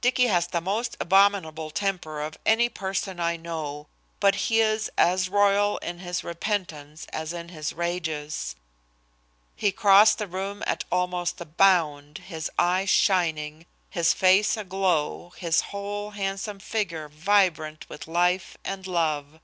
Dicky has the most abominable temper of any person I know, but he is as royal in his repentance as in his rages. He crossed the room at almost a bound, his eyes shining, his face aglow, his whole handsome figure vibrant with life and love.